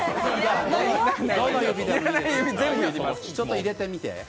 ちょっと入れてみて。